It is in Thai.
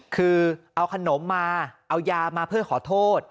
คือเอาขนมมาเอายามาเพื่อขอโทษ